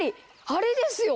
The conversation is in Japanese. あれですよ！